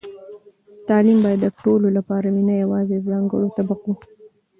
تعلیم باید د ټولو لپاره وي، نه یوازې د ځانګړو طبقو.